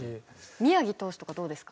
宮城投手とかどうですか？